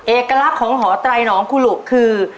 เอกลักษณ์ของหอตรายน้องครูหลุกคือ